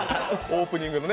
オープニングの。